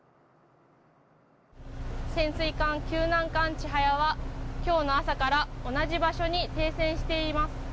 潜水艦救難艦「ちはや」は今日の朝から同じ場所に停船しています。